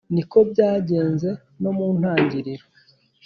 Ni ko byagenze no mu ntangiriro,